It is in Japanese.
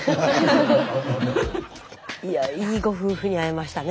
いやいいご夫婦に会えましたね。